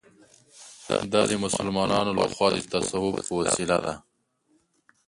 دا د مسلمانانو له خوا د تصوف په وسیله ده.